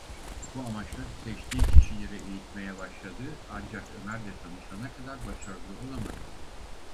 Bu amaçla seçtiği kişileri eğitmeye başladı ancak Ömer'le tanışana kadar başarılı olamadı.